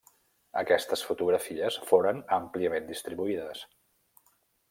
Aquestes fotografies foren àmpliament distribuïdes.